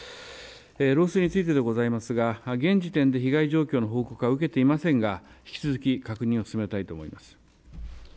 漏水についてでございますが現時点で被害状況の報告は受けていませんが引き続き確認を進めたいと思います。